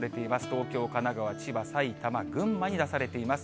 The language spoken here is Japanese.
東京、神奈川、千葉、埼玉、群馬に出されています。